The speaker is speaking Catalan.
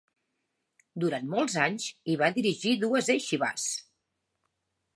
Durant molts anys, hi va dirigir dues ieixivàs.